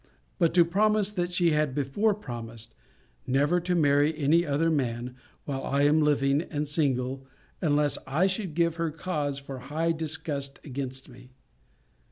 but to promise what she had before promised, 'Never to marry any other man, while I am living, and single, unless I should give her cause for high disgust against me.'